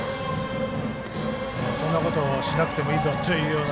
そんなことはしなくてもいいぞというような。